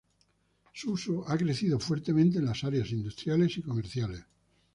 Su uso ha crecido fuertemente en las áreas industriales y comerciales.